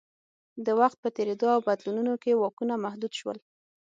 د وخت په تېرېدو او بدلونونو کې واکونه محدود شول